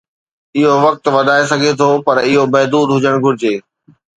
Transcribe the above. اهو وقت وڌائي سگهجي ٿو" پر اهو محدود هجڻ گهرجي.